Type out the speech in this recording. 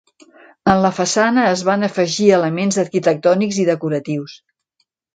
En la façana es van afegir elements arquitectònics i decoratius.